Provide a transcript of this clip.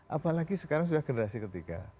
apalagi sekarang sudah generasi ketiga